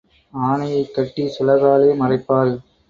ஆனையைக் கட்டிச் சுளகாலே மறைப்பாள்.